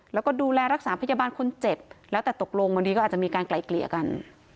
แล้วก็ดูแลรักษาพยาบาลคนเจ็บแล้วแต่ตกลงบางทีก็อาจจะมีการไกลเกลี่ยกัน